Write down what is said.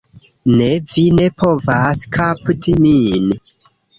Ne, vi ne povas kapti min.